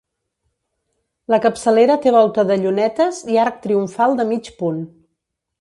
La capçalera té volta de llunetes i arc triomfal de mig punt.